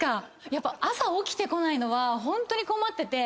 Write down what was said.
やっぱ朝起きてこないのはホントに困ってて。